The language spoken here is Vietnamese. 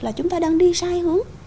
là chúng ta đang đi sai hướng